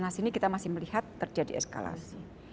di sana sini kita masih melihat terjadi eskalasi